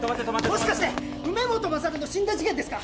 もしかして梅本勝の死んだ事件ですか？